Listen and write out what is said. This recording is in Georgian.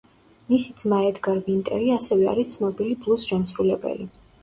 მისი ძმა ედგარ ვინტერი, ასევე არის ცნობილი ბლუზ შემსრულებელი.